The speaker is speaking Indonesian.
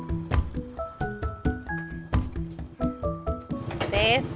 ini berikut it fier